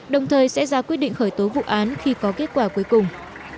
đồng thời sẽ ra quyết định khởi tố vụ án khi có kết quả cuối cùng